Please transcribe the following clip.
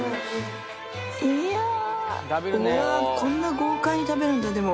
おわぁ、こんな豪快に食べるんだ。